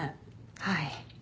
はい。